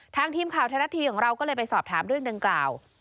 ทีมข่าวไทยรัฐทีวีของเราก็เลยไปสอบถามเรื่องดังกล่าว